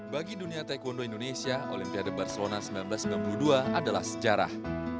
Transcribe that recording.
bagi dunia taekwondo indonesia olimpiade barcelona seribu sembilan ratus sembilan puluh dua adalah sejarah